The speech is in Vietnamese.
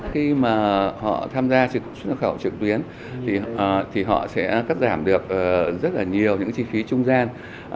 khi mà họ tham gia xuất nhập khẩu trực tuyến thì họ sẽ cắt giảm được rất là nhiều những chi phí trung gian